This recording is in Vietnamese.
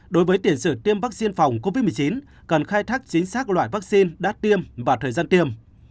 đối với tiền sử tiêm vaccine phòng covid một mươi chín cần khai thác chính xác loại vaccine đã tiêm và thời gian tiêm